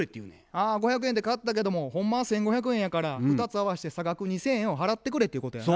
あ５００円で買ったけどもほんまは１，５００円やから２つ合わして差額２，０００円を払ってくれっていうことやな。